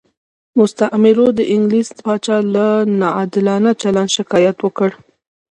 مستعمرو د انګلیس پاچا له ناعادلانه چلند شکایت وکړ.